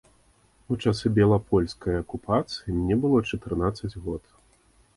У часы белапольскай акупацыі мне было чатырнаццаць год.